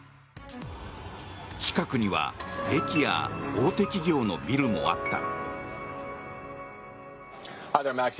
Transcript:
近くには駅や大手企業のビルもあった。